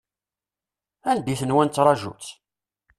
Anda i tenwa nettṛaju-tt?